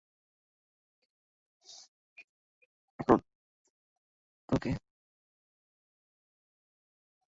সে সবসময় কি বলতো জানো?